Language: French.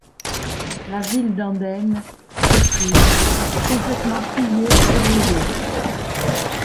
La ville d'Andenne fut prise et complètement pillée et brûlée.